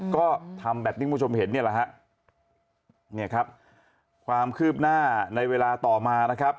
ก็ทำแบบที่คุณผู้ชมเห็นเนี่ยแหละฮะเนี่ยครับความคืบหน้าในเวลาต่อมานะครับ